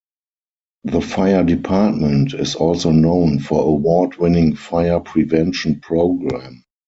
The Fire Department is also known for award-winning Fire Prevention program.